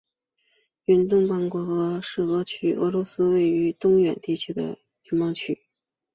远东联邦管区是俄罗斯位于远东的联邦区。